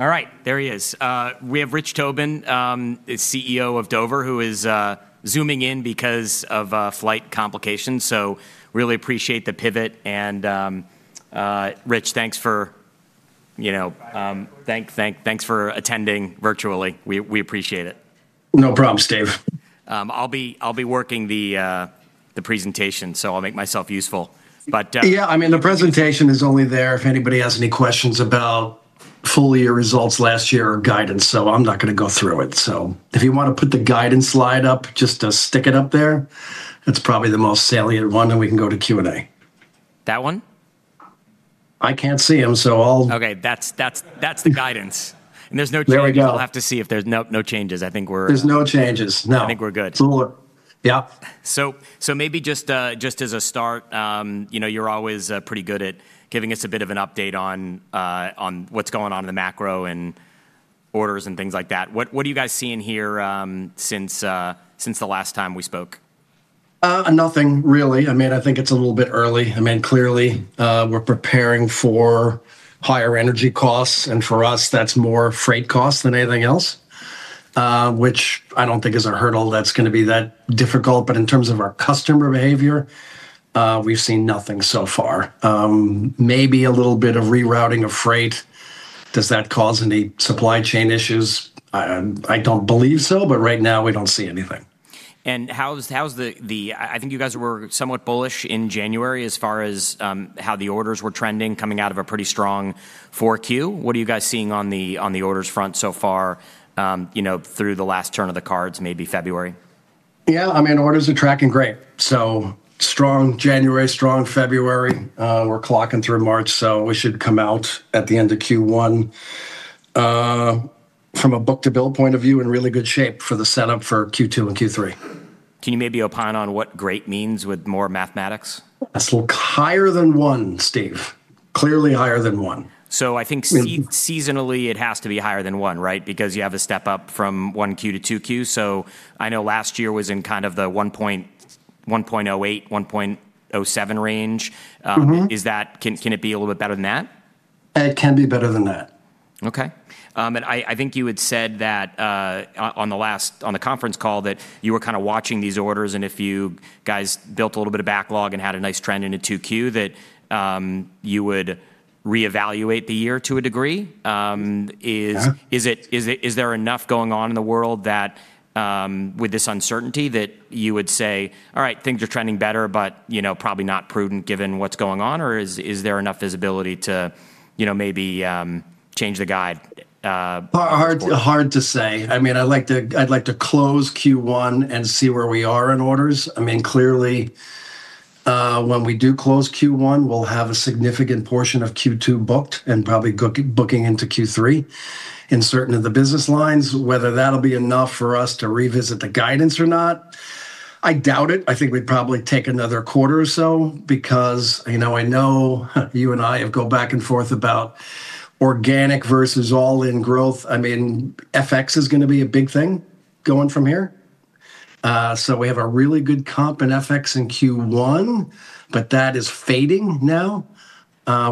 All right, there he is. We have Rich Tobin, CEO of Dover, who is Zooming in because of flight complications. Really appreciate the pivot and, Rich, thanks for, you know, thanks for attending virtually. We appreciate it. No problem, Steve. I'll be working the presentation, so I'll make myself useful. Yeah, I mean, the presentation is only there if anybody has any questions about full year results last year or guidance. I'm not gonna go through it. If you wanna put the guidance slide up, just to stick it up there, that's probably the most salient one, then we can go to Q&A. That one? I can't see 'em, so I'll Okay, that's the guidance. There's no changes. There we go. We'll have to see if there's no changes. There's no changes, no. I think we're good. Cool. Yeah. Maybe just as a start, you know, you're always pretty good at giving us a bit of an update on what's going on in the macro and orders and things like that. What are you guys seeing here, since the last time we spoke? Nothing really. I mean, I think it's a little bit early. I mean, clearly, we're preparing for higher energy costs, and for us, that's more freight costs than anything else, which I don't think is a hurdle that's gonna be that difficult. In terms of our customer behavior, we've seen nothing so far. Maybe a little bit of rerouting of freight. Does that cause any supply chain issues? I don't believe so, but right now we don't see anything. I think you guys were somewhat bullish in January as far as how the orders were trending coming out of a pretty strong 4Q. What are you guys seeing on the orders front so far through the last turn of the year, maybe February? Yeah. I mean, orders are tracking great. Strong January, strong February. We're clocking through March, so we should come out at the end of Q1, from a book-to-bill point of view, in really good shape for the setup for Q2 and Q3. Can you maybe opine on what great means with more mathematics? It looks higher than one, Steve. Clearly higher than one. I think seasonally, it has to be higher than one, right? Because you have a step up from 1Q to 2Q. I know last year was in kind of the 1.0, 1.08, 1.07 range. Mm-hmm. Can it be a little bit better than that? It can be better than that. Okay. I think you had said that on the last conference call that you were kinda watching these orders, and if you guys built a little bit of backlog and had a nice trend into 2Q, that you would reevaluate the year to a degree. Yeah Is there enough going on in the world that, with this uncertainty that you would say, "All right, things are trending better, but, you know, probably not prudent given what's going on," or is there enough visibility to, you know, maybe, change the guide, support? Hard to say. I mean, I'd like to close Q1 and see where we are in orders. I mean, clearly, when we do close Q1, we'll have a significant portion of Q2 booked, and probably booking into Q3 in certain of the business lines. Whether that'll be enough for us to revisit the guidance or not, I doubt it. I think we'd probably take another quarter or so because, you know, I know you and I have gone back and forth about organic versus all-in growth. I mean, FX is gonna be a big thing going from here. So we have a really good comp in FX in Q1, but that is fading now,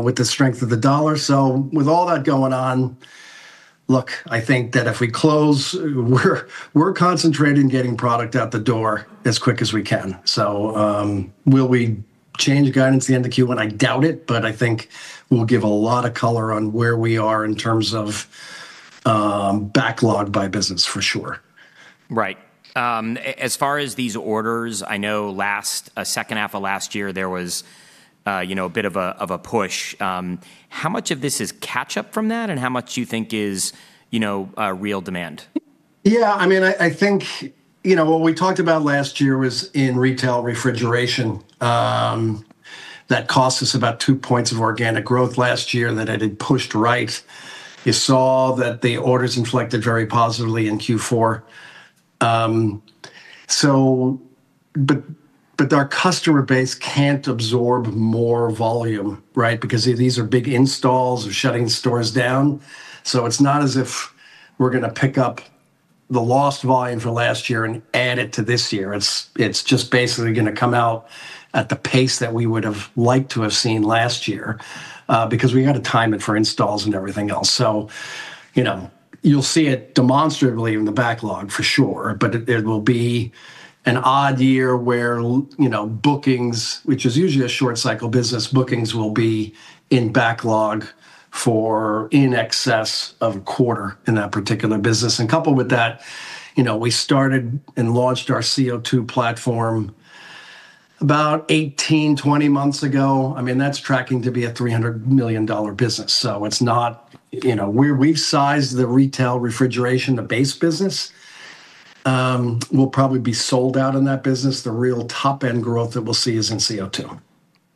with the strength of the dollar. With all that going on, look, I think that if we close, we're concentrating getting product out the door as quick as we can. Will we change guidance at the end of Q1? I doubt it, but I think we'll give a lot of color on where we are in terms of backlog by business, for sure. Right. As far as these orders, I know last second half of last year, there was, you know, a bit of a push. How much of this is catch-up from that, and how much do you think is, you know, real demand? Yeah, I mean, I think, you know, what we talked about last year was in retail refrigeration, that cost us about 2 points of organic growth last year that had been pushed right. You saw that the orders inflected very positively in Q4. Our customer base can't absorb more volume, right? Because these are big installs. We're shutting stores down. It's not as if we're gonna pick up the lost volume from last year and add it to this year. It's just basically gonna come out at the pace that we would have liked to have seen last year, because we gotta time it for installs and everything else. You'll see it demonstrably in the backlog for sure, but it will be an odd year where you know, bookings, which is usually a short cycle business, bookings will be in backlog for in excess of a quarter in that particular business. Coupled with that, you know, we started and launched our CO2 platform about 18-20 months ago. I mean, that's tracking to be a $300 million business. It's not. You know, we've sized the retail refrigeration, the base business. We'll probably be sold out in that business. The real top-end growth that we'll see is in CO2.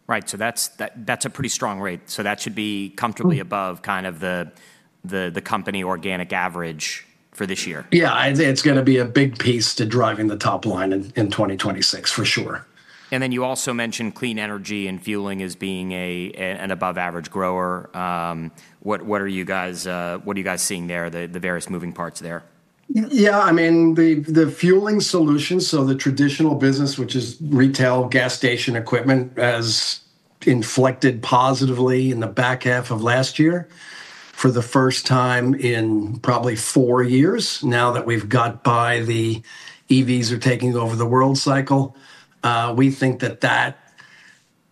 Right. That's a pretty strong rate. That should be comfortably above kind of the company organic average for this year. Yeah. I'd say it's gonna be a big piece to driving the top line in 2026, for sure. You also mentioned Clean Energy & Fueling as being an above average grower. What are you guys seeing there, the various moving parts there? Yeah. I mean, the fueling solution, so the traditional business, which is retail gas station equipment has inflected positively in the back half of last year for the first time in probably four years now that the EVs are taking over the world cycle. We think that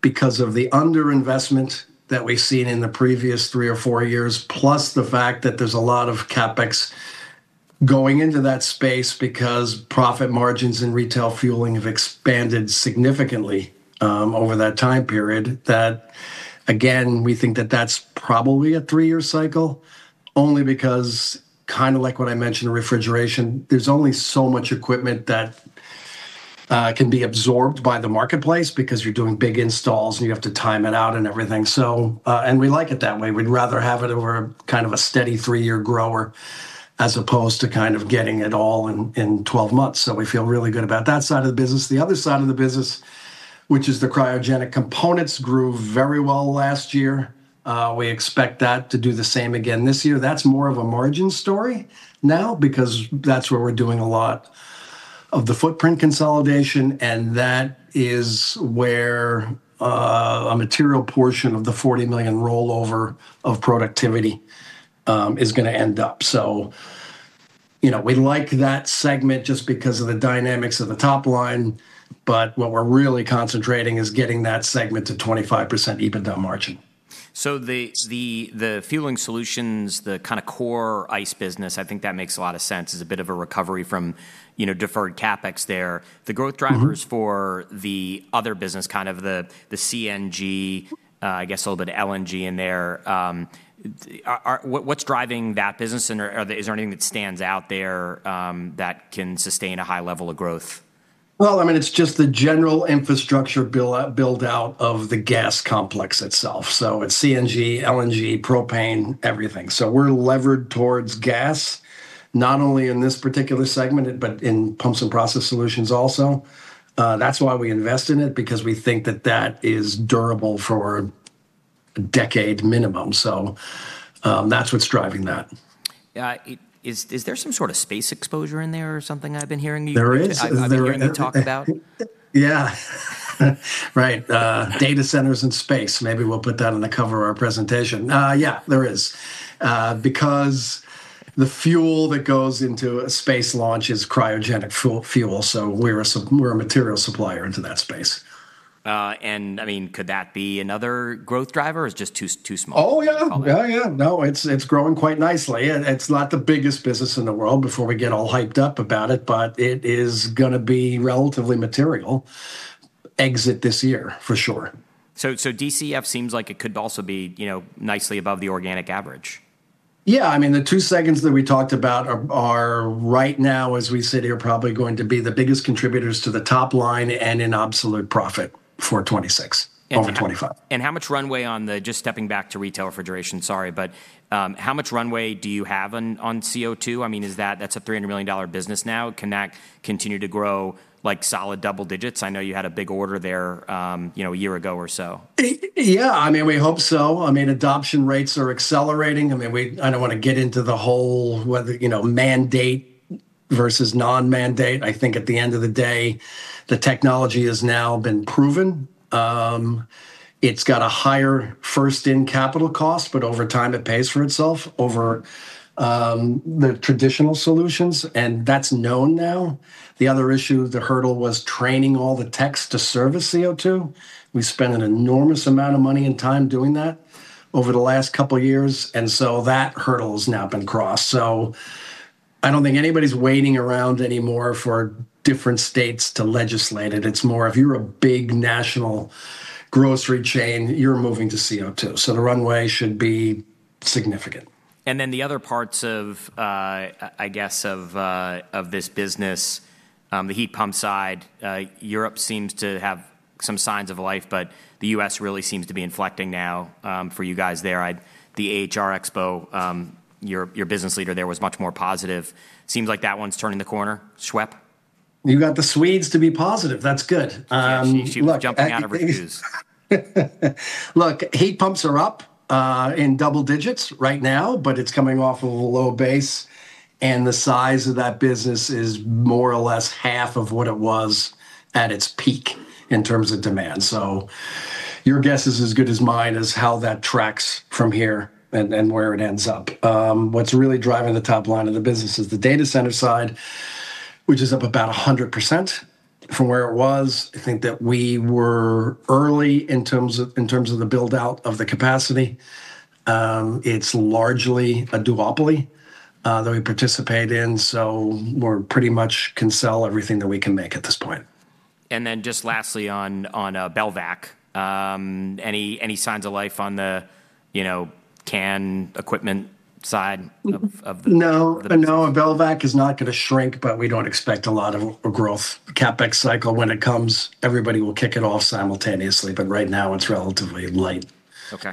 because of the under-investment that we've seen in the previous three or four years, plus the fact that there's a lot of CapEx going into that space because profit margins in retail fueling have expanded significantly over that time period. That again, we think that that's probably a three year cycle only because kinda like what I mentioned, refrigeration, there's only so much equipment that can be absorbed by the marketplace because you're doing big installs, and you have to time it out and everything. We like it that way. We'd rather have it over a kind of a steady three year grower as opposed to kind of getting it all in 12 months. We feel really good about that side of the business. The other side of the business, which is the cryogenic components, grew very well last year. We expect that to do the same again this year. That's more of a margin story now because that's where we're doing a lot of the footprint consolidation, and that is where a material portion of the $40 million rollover of productivity is gonna end up. You know, we like that segment just because of the dynamics of the top line, but what we're really concentrating is getting that segment to 25% EBITDA margin. The fueling solutions, the kinda core ice business, I think that makes a lot of sense. It's a bit of a recovery from, you know, deferred CapEx there. Mm-hmm. The growth drivers for the other business, kind of the CNG, I guess a little bit of LNG in there, what's driving that business? And is there anything that stands out there, that can sustain a high level of growth? Well, I mean, it's just the general infrastructure buildout of the gas complex itself, so it's CNG, LNG, propane, everything. We're levered towards gas, not only in this particular segment but in Pumps & Process Solutions also. That's why we invest in it because we think that that is durable for a decade minimum. That's what's driving that. Yeah. Is there some sort of space exposure in there or something I've been hearing you? There is. I've been hearing you talk about? Yeah. Right. Data centers and space. Maybe we'll put that on the cover of our presentation. Yeah, there is, because the fuel that goes into a space launch is cryogenic fuel, so we're a material supplier into that space. I mean, could that be another growth driver or it's just too small? Oh, yeah. Okay. Yeah. No, it's growing quite nicely. It's not the biggest business in the world before we get all hyped up about it, but it is gonna be relatively material exit this year for sure. DCEF seems like it could also be, you know, nicely above the organic average. Yeah. I mean, the two segments that we talked about are right now as we sit here probably going to be the biggest contributors to the top line and in absolute profit for 2026 over 2025. How much runway, just stepping back to retail refrigeration, sorry. How much runway do you have on CO2? I mean, that's a $300 million business now. Can that continue to grow like solid double digits? I know you had a big order there, you know, a year ago or so. Yeah. I mean, we hope so. I mean, adoption rates are accelerating. I mean, I don't wanna get into the whole whether, you know, mandate versus non-mandate. I think at the end of the day, the technology has now been proven. It's got a higher first-in capital cost, but over time it pays for itself over the traditional solutions, and that's known now. The other issue, the hurdle was training all the techs to service CO2. We spent an enormous amount of money and time doing that over the last couple years, and so that hurdle has now been crossed. I don't think anybody's waiting around anymore for different states to legislate it. It's more if you're a big national grocery chain, you're moving to CO2, so the runway should be significant. The other parts of, I guess, of this business, the heat pump side, Europe seems to have some signs of life, but the U.S. really seems to be inflecting now, for you guys there. The AHR Expo, your business leader there was much more positive. Seems like that one's turning the corner. SWEP? You got the Swedes to be positive, that's good. Yeah, she was jumping out of her shoes. Look, heat pumps are up in double digits right now, but it's coming off of a low base, and the size of that business is more or less half of what it was at its peak in terms of demand. Your guess is as good as mine is how that tracks from here and where it ends up. What's really driving the top line of the business is the data center side, which is up about 100% from where it was. I think that we were early in terms of the buildout of the capacity. It's largely a duopoly that we participate in, so we're pretty much can sell everything that we can make at this point. Just lastly on Belvac. Any signs of life on the, you know, can equipment side of No. No, Belvac is not gonna shrink, but we don't expect a lot of growth. CapEx cycle, when it comes, everybody will kick it off simultaneously, but right now it's relatively light. Okay.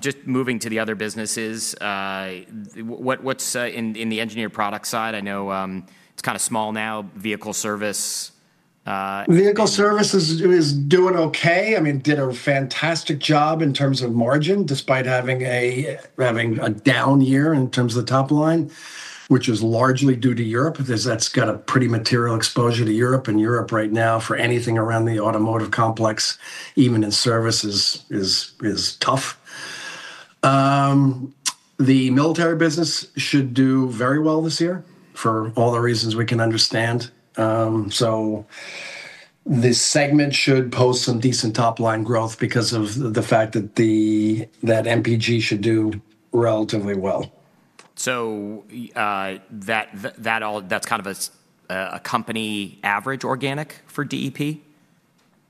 Just moving to the other businesses. What's in the Engineered Products side? I know it's kinda small now. Vehicle Service. Vehicle service is doing okay. I mean, did a fantastic job in terms of margin despite having a down year in terms of the top line, which is largely due to Europe as that's got a pretty material exposure to Europe. Europe right now for anything around the automotive complex, even in service, is tough. The military business should do very well this year for all the reasons we can understand. This segment should post some decent top-line growth because of the fact that MPG should do relatively well. That's kind of a company average organic for DEP?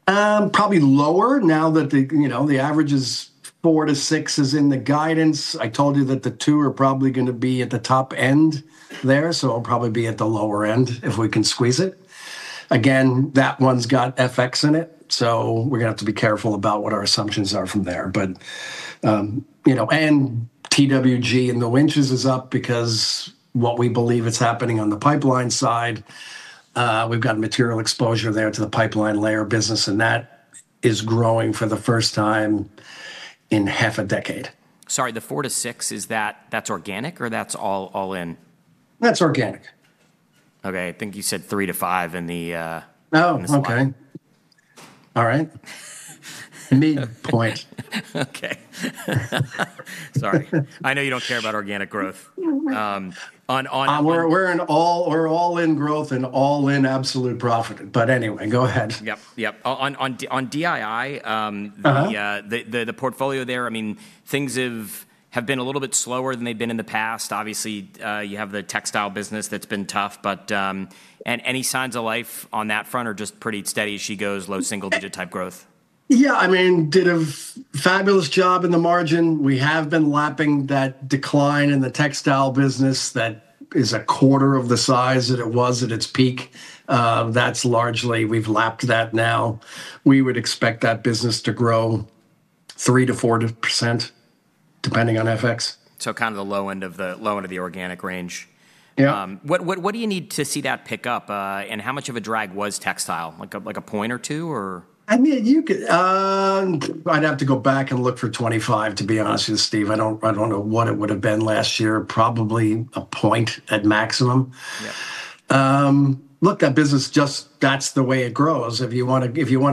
Probably lower now that the, you know, the average is 4%-6% is in the guidance. I told you that the two are probably gonna be at the top end there, so it'll probably be at the lower end if we can squeeze it. Again, that one's got FX in it, so we're gonna have to be careful about what our assumptions are from there. You know, and TWG and the winches is up because what we believe is happening on the pipeline side, we've got material exposure there to the pipeline layer business, and that is growing for the first time in half a decade. Sorry, the 4%-6%, is that organic or that's all in? That's organic. Okay. I think you said three to five in the, Oh, okay. in the slide. All right. Mea culpa. Okay. Sorry. I know you don't care about organic growth. On We're all-in growth and all-in absolute profit. Anyway, go ahead. Yep. On DII. Uh-huh The portfolio there, I mean, things have been a little bit slower than they've been in the past. Obviously, you have the textile business that's been tough. Any signs of life on that front or just pretty steady as she goes, low single digit type growth? Yeah, I mean, did a fabulous job in the margin. We have been lapping that decline in the textile business that is 1/4 of the size that it was at its peak. That's largely, we've lapped that now. We would expect that business to grow 3%-4% depending on FX. Kind of the low end of the organic range. Yeah. What do you need to see that pick up, and how much of a drag was textile? Like a point or two, or? I mean, you could. I'd have to go back and look for 2025, to be honest with you, Steve. I don't know what it would have been last year. Probably a point at maximum. Yeah. Look, that business just. That's the way it grows. If you wanna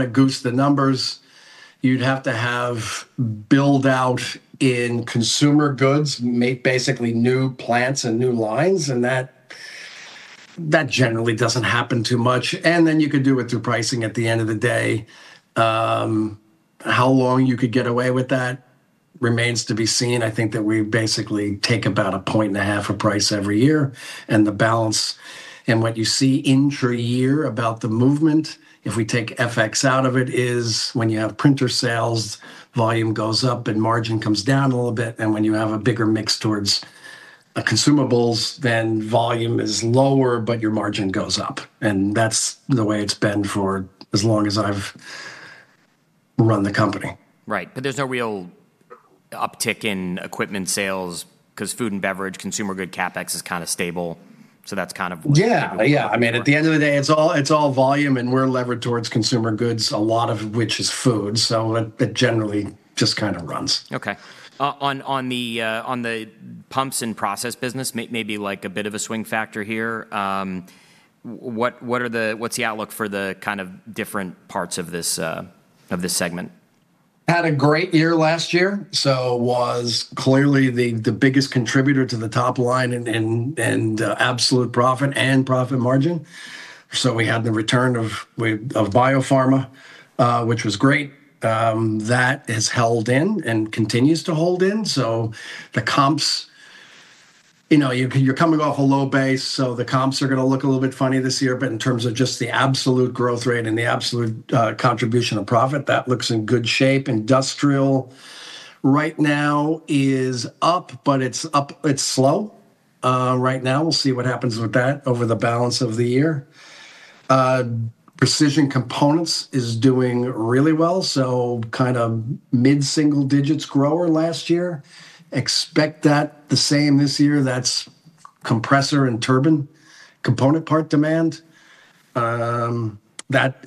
goose the numbers, you'd have to have build out in consumer goods, make basically new plants and new lines, and that generally doesn't happen too much. Then you could do it through pricing at the end of the day. How long you could get away with that remains to be seen. I think that we basically take about 1.5 points of price every year, and the balance, and what you see intra-year about the movement, if we take FX out of it, is when you have printer sales, volume goes up and margin comes down a little bit. When you have a bigger mix towards consumables, then volume is lower, but your margin goes up. That's the way it's been for as long as I've run the company. Right. There's no real uptick in equipment sales, 'cause food and beverage, consumer good CapEx is kind of stable. That's kind of what- Yeah. I mean, at the end of the day, it's all volume, and we're levered towards consumer goods, a lot of which is food. It generally just kind of runs. Okay. On the pumps and process business, may be like a bit of a swing factor here. What's the outlook for the kind of different parts of this segment? Had a great year last year, so was clearly the biggest contributor to the top line and absolute profit and profit margin. We had the return of pharma, which was great. That has held in and continues to hold in. The comps. You know, you're coming off a low base, so the comps are gonna look a little bit funny this year. In terms of just the absolute growth rate and the absolute contribution of profit, that looks in good shape. Industrial right now is up, but it's slow right now. We'll see what happens with that over the balance of the year. Precision components is doing really well, so kind of mid-single digits grower last year. Expect that the same this year. That's compressor and turbine component part demand. That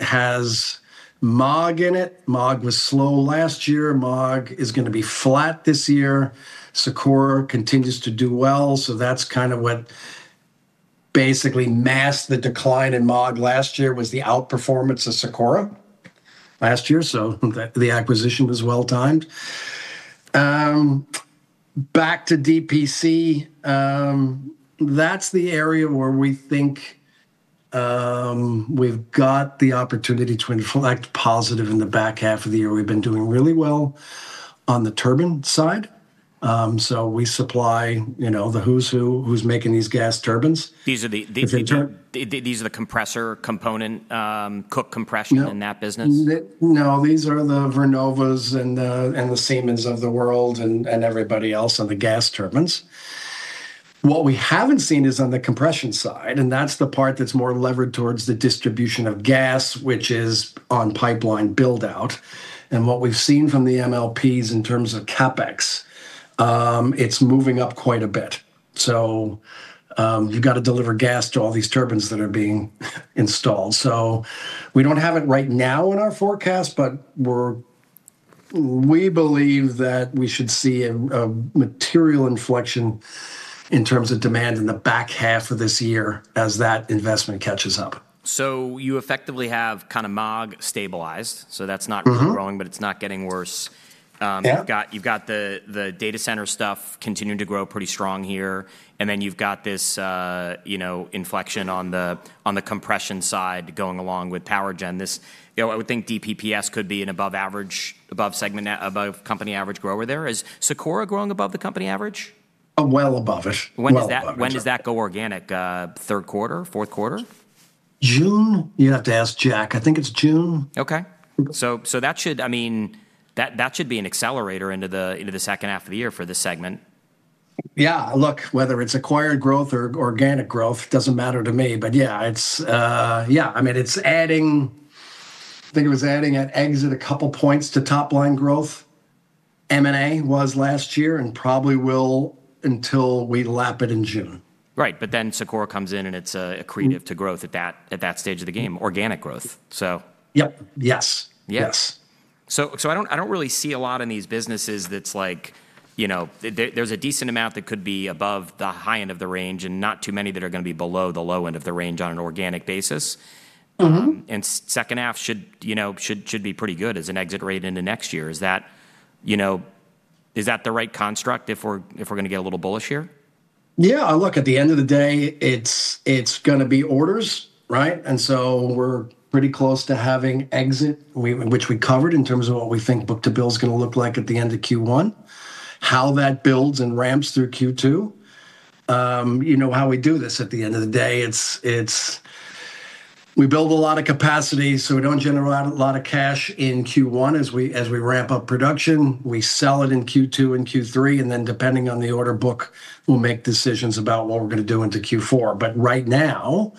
has MAAG in it. MAAG was slow last year. MAAG is gonna be flat this year. Sikora continues to do well, so that's kind of what basically masked the decline in MAAG last year, was the outperformance of Sikora last year, so the acquisition was well-timed. Back to DPC. That's the area where we think we've got the opportunity to inflect positive in the back half of the year. We've been doing really well on the turbine side. So we supply, you know, the who's who's making these gas turbines. These are the- The vendor. These are the compressor component, Cook Compression. Yep in that business? No, these are the GE Vernova and the Siemens of the world and everybody else on the gas turbines. What we haven't seen is on the compression side, and that's the part that's more levered towards the distribution of gas, which is on pipeline build-out. What we've seen from the MLPs in terms of CapEx, it's moving up quite a bit. You've got to deliver gas to all these turbines that are being installed. We don't have it right now in our forecast, but we believe that we should see a material inflection in terms of demand in the back half of this year as that investment catches up. You effectively have kind of MAAG stabilized, so that's not. Mm-hmm Growing, but it's not getting worse. You've got the data center stuff continuing to grow pretty strong here, and then you've got this, you know, inflection on the compression side going along with power gen. You know, I would think DPPS could be an above average, above segment, above company average grower there. Is Sikora growing above the company average? Well above-ish. When does that- Well above it. When does that go organic? Third quarter, fourth quarter? June. You'd have to ask Jack. I think it's June. I mean, that should be an accelerator into the second half of the year for this segment. Yeah. Look, whether it's acquired growth or organic growth, doesn't matter to me. I mean, I think it was adding at exit a couple points to top line growth. M&A was last year, and probably will until we lap it in June. Right. Sikora comes in and it's accretive to growth at that stage of the game, organic growth, so. Yep. Yes. Yes. Yes. I don't really see a lot in these businesses that's like, you know, there's a decent amount that could be above the high end of the range, and not too many that are gonna be below the low end of the range on an organic basis. Mm-hmm. Second half should, you know, be pretty good as an exit rate into next year. Is that, you know, the right construct if we're gonna get a little bullish here? Yeah. Look, at the end of the day, it's gonna be orders, right? We're pretty close to having exit, which we covered in terms of what we think book-to-bill's gonna look like at the end of Q1, how that builds and ramps through Q2. You know, how we do this at the end of the day, it's. We build a lot of capacity, so we don't generate a lot of cash in Q1 as we ramp up production. We sell it in Q2 and Q3, and then depending on the order book, we'll make decisions about what we're gonna do into Q4. Right now,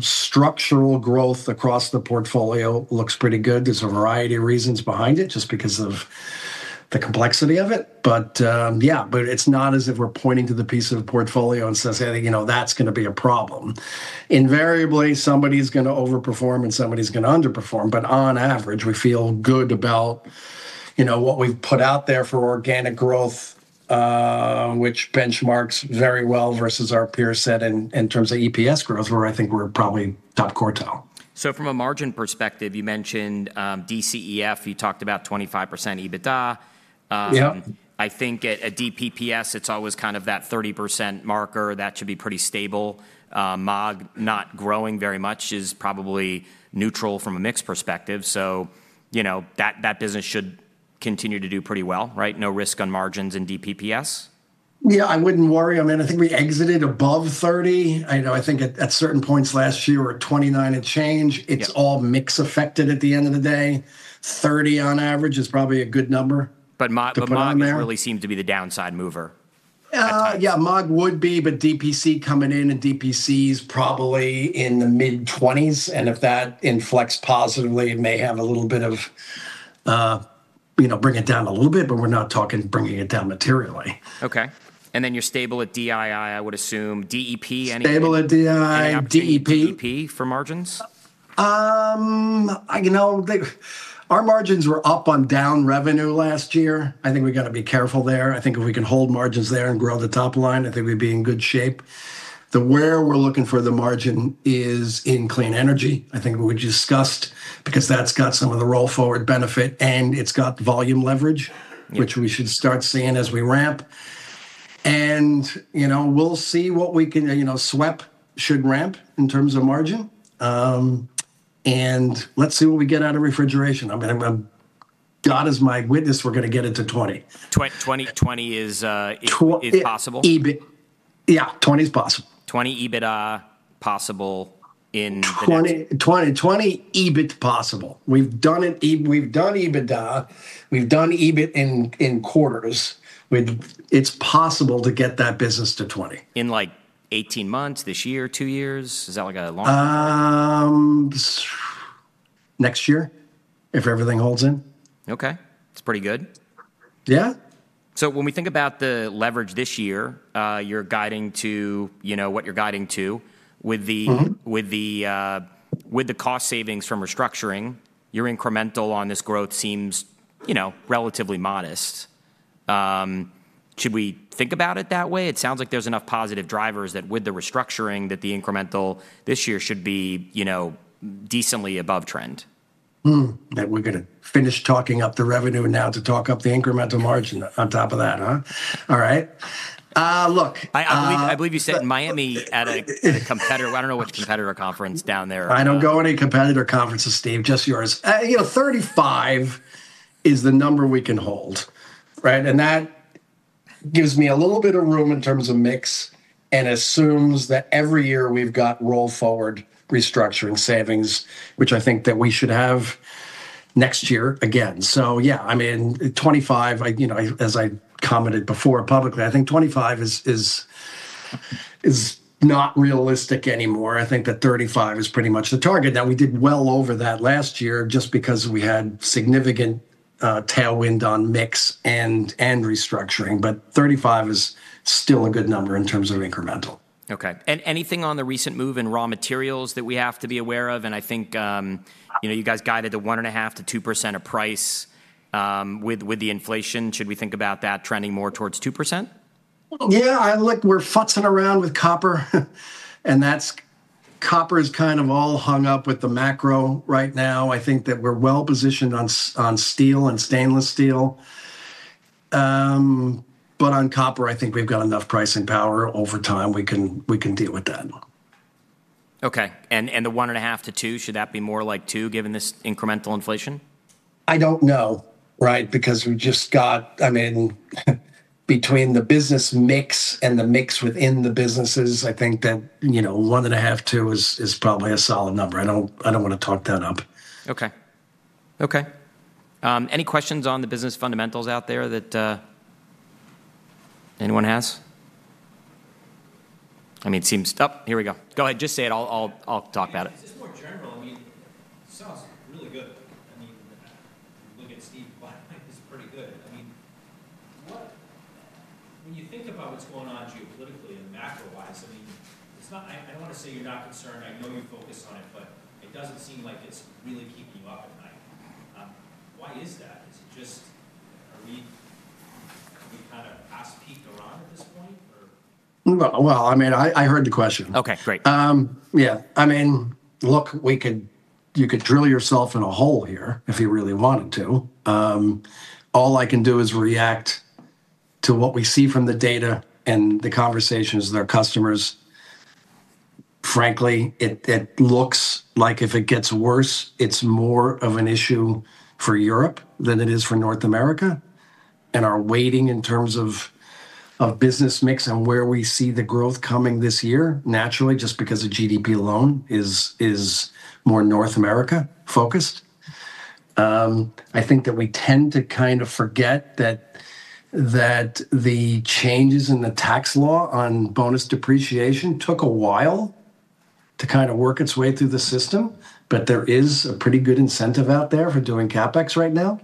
structural growth across the portfolio looks pretty good. There's a variety of reasons behind it, just because of the complexity of it. Yeah. It's not as if we're pointing to the piece of portfolio and saying, you know, "That's gonna be a problem." Invariably, somebody's gonna overperform and somebody's gonna underperform. On average, we feel good about, you know, what we've put out there for organic growth, which benchmarks very well versus our peer set in terms of EPS growth, where I think we're probably top quartile. From a margin perspective, you mentioned DCEF. You talked about 25% EBITDA. Yeah. I think at DPPS it's always kind of that 30% marker. That should be pretty stable. MAAG not growing very much is probably neutral from a mix perspective. You know, that business should continue to do pretty well, right? No risk on margins in DPPS? Yeah, I wouldn't worry. I mean, I think we exited above $30. I know I think at certain points last year we were at $29 and change. Yeah. It's all mix affected at the end of the day. 30 on average is probably a good number. MAAG to put on there. MAAG really seems to be the downside mover. MAAG would be, but DPC coming in, and DPC's probably in the mid-20s%. If that inflects positively, it may have a little bit of, you know, bring it down a little bit, but we're not talking bringing it down materially. Okay. You're stable at DII, I would assume. DEP, anything? Stable at DII, DEP. for margins? You know, our margins were up on down revenue last year. I think we gotta be careful there. I think if we can hold margins there and grow the top line, I think we'd be in good shape. That's where we're looking for the margin is in clean energy, I think we discussed, because that's got some of the roll forward benefit, and it's got volume leverage. Yeah Which we should start seeing as we ramp. You know, we'll see what we can. You know, SWEP should ramp in terms of margin. Let's see what we get out of refrigeration. I mean, God as my witness, we're gonna get it to 20%. 20 is possible? Yeah, 20 is possible. 20 EBITDA possible in the next- 20 EBIT possible. We've done it, we've done EBITDA, we've done EBIT in quarters. It's possible to get that business to 20. In like 18 months, this year, two years? Is that like a long play? Next year, if everything holds in. Okay. That's pretty good. Yeah. When we think about the leverage this year, you're guiding to, you know, what you're guiding to. Mm-hmm. With the cost savings from restructuring, your incremental on this growth seems, you know, relatively modest. Should we think about it that way? It sounds like there's enough positive drivers that with the restructuring, that the incremental this year should be, you know, decently above trend. That we're gonna finish talking up the revenue now to talk up the incremental margin on top of that, huh? All right. Look, I believe you said Miami at a competitor. I don't know which competitor conference down there. I don't go any competitor conferences, Steve, just yours. You know, 35 is the number we can hold, right? That gives me a little bit of room in terms of mix and assumes that every year we've got roll forward restructuring savings, which I think that we should have next year again. Yeah, I mean, 25, I, you know, as I commented before publicly, I think 25 is not realistic anymore. I think that 35 is pretty much the target. Now, we did well over that last year just because we had significant tailwind on mix and restructuring. 35 is still a good number in terms of incremental. Okay. Anything on the recent move in raw materials that we have to be aware of? I think, you know, you guys guided the 1.5%-2% of price with the inflation. Should we think about that trending more towards 2%? Yeah. Look, we're fussing around with copper. Copper is kind of all hung up with the macro right now. I think that we're well-positioned on steel and stainless steel. On copper, I think we've got enough pricing power over time, we can deal with that. Okay. The 1.5%-2%, should that be more like two given this incremental inflation? I don't know, right? I mean, between the business mix and the mix within the businesses, I think that, you know, 1.5%-2% is probably a solid number. I don't wanna talk that up. Okay. Okay. Any questions on the business fundamentals out there that anyone has? I mean. Oh, here we go. Go ahead. Just say it. I'll talk about it. Just more general, I mean, sounds really good. I mean, look at Steve, like, this is pretty good. I mean, when you think about what's going on geopolitically and macro-wise, I mean, I don't wanna say you're not concerned, I know you're focused on it, but it doesn't seem like it's really keeping you up at night. Why is that? Have we kinda passed peak uncertainty at this point or? Well, I mean, I heard the question. Okay, great. Yeah. I mean, look, you could drill yourself in a hole here if you really wanted to. All I can do is react to what we see from the data and the conversations with our customers. Frankly, it looks like if it gets worse, it's more of an issue for Europe than it is for North America. Our weighting in terms of business mix and where we see the growth coming this year, naturally, just because of GDP alone, is more North America focused. I think that we tend to kind of forget that the changes in the tax law on bonus depreciation took a while to kinda work its way through the system, but there is a pretty good incentive out there for doing CapEx right now.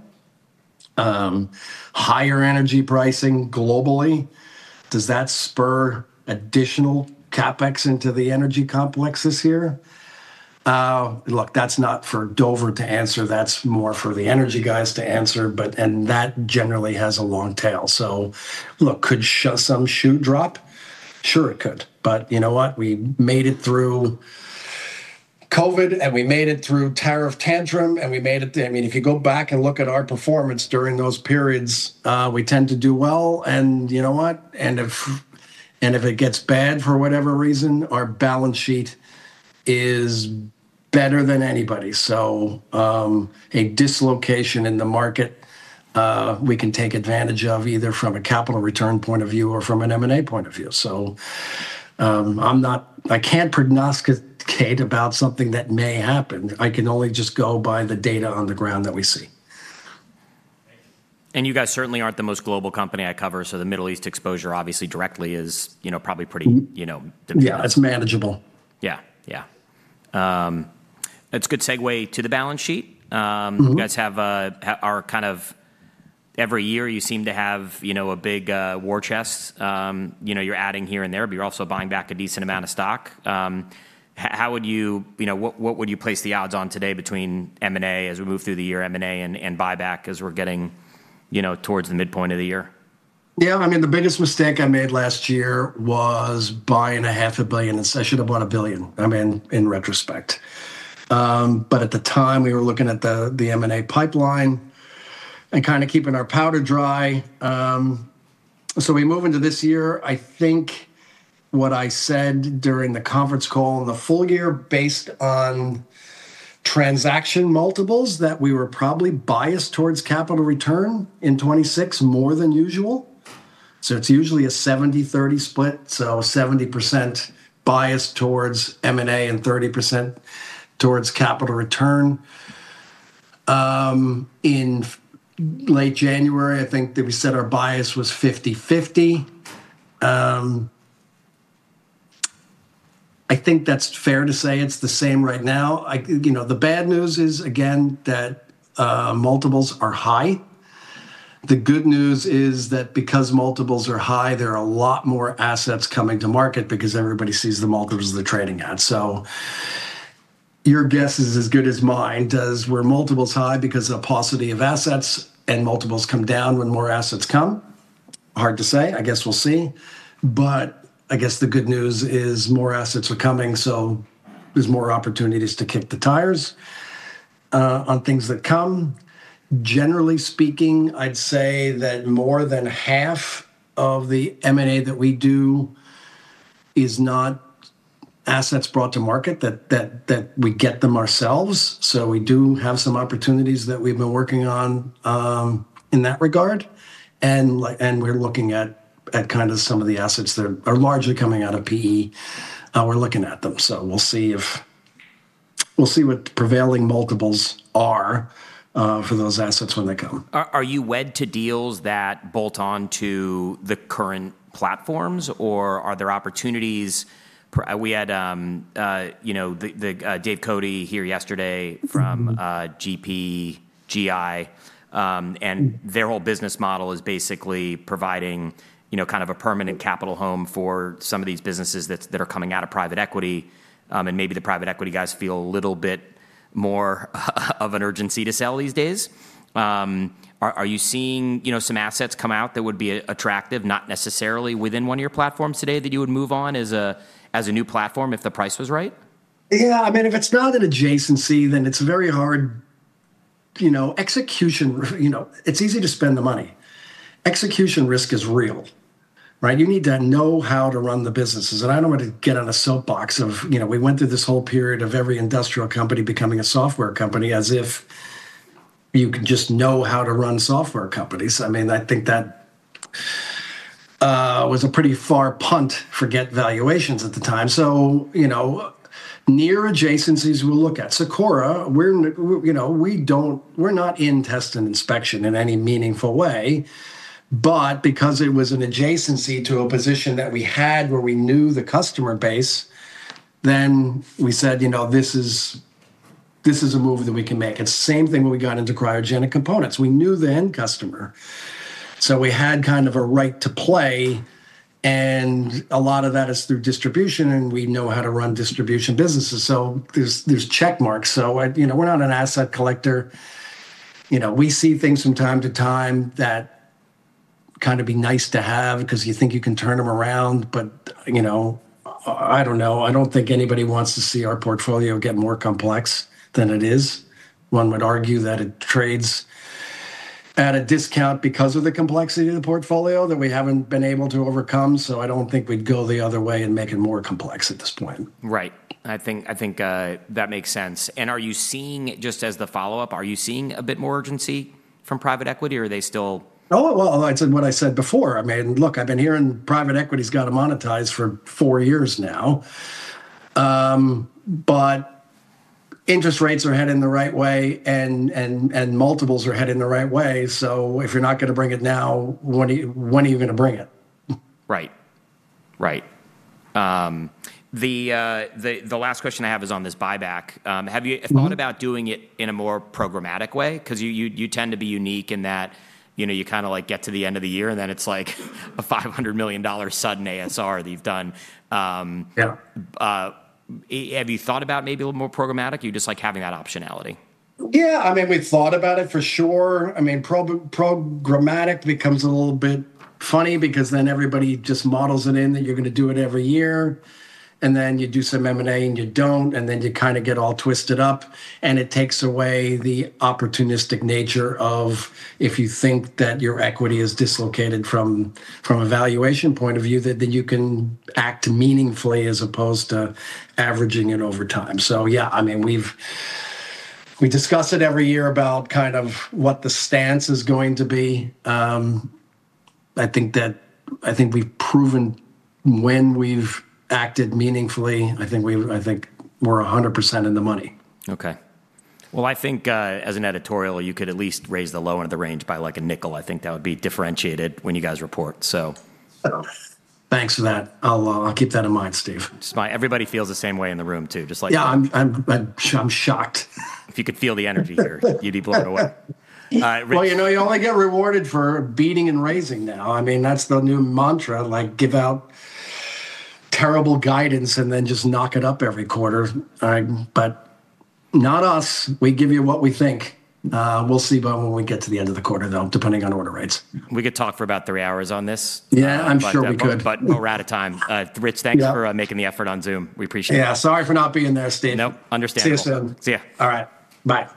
Higher energy pricing globally, does that spur additional CapEx into the energy complex this year? Look, that's not for Dover to answer. That's more for the energy guys to answer. That generally has a long tail. Look, could the other shoe drop? Sure, it could. You know what? We made it through COVID, and we made it through tariff tantrum, and we made it. I mean, if you go back and look at our performance during those periods, we tend to do well. You know what? If it gets bad for whatever reason, our balance sheet is better than anybody. A dislocation in the market, we can take advantage of either from a capital return point of view or from an M&A point of view. I can't prognosticate about something that may happen. I can only just go by the data on the ground that we see. You guys certainly aren't the most global company I cover, so the Middle East exposure obviously directly is, you know, probably pretty, you know. Yeah, it's manageable. Yeah, that's a good segue to the balance sheet. Mm-hmm. You guys have, every year, you seem to have, you know, a big war chest. You know, you're adding here and there, but you're also buying back a decent amount of stock. You know, what would you place the odds on today between M&A as we move through the year, M&A and buyback as we're getting, you know, towards the midpoint of the year? I mean, the biggest mistake I made last year was buying half a billion, and so I should've bought $1 billion, I mean, in retrospect. At the time, we were looking at the M&A pipeline and kinda keeping our powder dry. We move into this year. I think what I said during the conference call, the full year based on transaction multiples, that we were probably biased towards capital return in 2026 more than usual. It's usually a 70/30 split, so 70% biased towards M&A and 30% towards capital return. In late January, I think that we said our bias was 50/50. I think that's fair to say it's the same right now. You know, the bad news is, again, that multiples are high. The good news is that because multiples are high, there are a lot more assets coming to market because everybody sees the multiples they're trading at. Your guess is as good as mine. Were multiples high because of the paucity of assets and multiples come down when more assets come? Hard to say. I guess we'll see. I guess the good news is more assets are coming, so there's more opportunities to kick the tires on things that come. Generally speaking, I'd say that more than half of the M&A that we do is not assets brought to market, that we get them ourselves. We do have some opportunities that we've been working on in that regard. We're looking at kinda some of the assets that are largely coming out of PE. We're looking at them. We'll see what prevailing multiples are for those assets when they come. Are you wed to deals that bolt on to the current platforms, or are there opportunities? We had you know the Dave Cote here yesterday. Mm-hmm From GPGI. Their whole business model is basically providing, you know, kind of a permanent capital home for some of these businesses that are coming out of private equity. Maybe the private equity guys feel a little bit more of an urgency to sell these days. Are you seeing, you know, some assets come out that would be attractive, not necessarily within one of your platforms today, that you would move on as a new platform if the price was right? Yeah. I mean, if it's not an adjacency, then it's very hard. You know, execution, you know, it's easy to spend the money. Execution risk is real, right? You need to know how to run the businesses, and I don't want to get on a soapbox of, you know, we went through this whole period of every industrial company becoming a software company as if you just know how to run software companies. I mean, I think that was a pretty far punt to get valuations at the time. You know, near adjacencies we'll look at. Sikora, you know, we don't. We're not in test and inspection in any meaningful way, but because it was an adjacency to a position that we had where we knew the customer base, then we said, "You know, this is a move that we can make." Same thing when we got into cryogenic components. We knew the end customer, so we had kind of a right to play, and a lot of that is through distribution, and we know how to run distribution businesses. There's check marks. You know, we're not an asset collector. You know, we see things from time to time that kind of would be nice to have 'cause you think you can turn them around. You know, I don't know. I don't think anybody wants to see our portfolio get more complex than it is. One would argue that it trades at a discount because of the complexity of the portfolio that we haven't been able to overcome, so I don't think we'd go the other way and make it more complex at this point. Right. I think that makes sense. Are you seeing a bit more urgency from private equity, or are they still- Oh, well, it's what I said before. I mean, look, I've been hearing private equity's gotta monetize for four years now. But interest rates are heading the right way and multiples are heading the right way, so if you're not gonna bring it now, when are you gonna bring it? Right. The last question I have is on this buyback. Have you- Mm-hmm thought about doing it in a more programmatic way? 'Cause you tend to be unique in that, you know, you kinda, like, get to the end of the year, and then it's like a $500 million sudden ASR that you've done. Yeah Have you thought about maybe a little more programmatic, or you just like having that optionality? Yeah. I mean, we've thought about it for sure. I mean, programmatic becomes a little bit funny because then everybody just models it in that you're gonna do it every year. Then you do some M&A, and you don't, and then you kinda get all twisted up, and it takes away the opportunistic nature of if you think that your equity is dislocated from a valuation point of view, then you can act meaningfully as opposed to averaging it over time. Yeah, I mean, we discuss it every year about kind of what the stance is going to be. I think we've proven when we've acted meaningfully. I think we're 100% in the money. Okay. Well, I think, as an editorial, you could at least raise the lower of the range by, like, a nickel. I think that would be differentiated when you guys report, so. Oh. Thanks for that. I'll keep that in mind, Steve. Everybody feels the same way in the room too, just like. Yeah, I'm shocked. If you could feel the energy here, you'd be blown away. All right. Rich. Well, you know, you only get rewarded for beating and raising now. I mean, that's the new mantra. Like, give out terrible guidance, and then just knock it up every quarter. But not us. We give you what we think. We'll see about when we get to the end of the quarter, though, depending on order rates. We could talk for about three hours on this. Yeah, I'm sure we could. We're out of time. Rich, thanks. Yep For making the effort on Zoom. We appreciate it. Yeah, sorry for not being there, Steve. Nope, understandable. See you soon. See ya. All right. Bye.